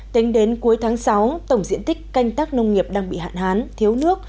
tính đến cuối tháng sáu tổng diện tích canh tác nông nghiệp đang bị hạn hán thiếu nước